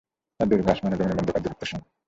তার দৈর্ঘ্য আসমান ও যমীনের মধ্যকার দূরত্বের সমান।